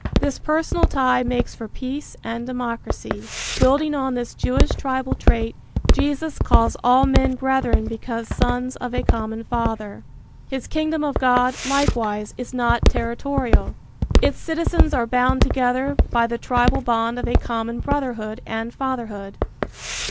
This personal tie makes for peace and democracy. Building on this Jewish tribal trait, Jesus calls all men brethren because sons of a common Father. His Kingdom of God, likewise, is not territorial. Its citizens are bound together by the tribal bond of a common brotherhood and fatherhood.